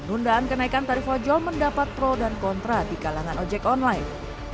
nundaan kenaikan tarif ojol mendapat pro dan kontra di kalangan ojek online